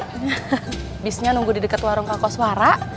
habisnya nunggu di dekat warung kakoswara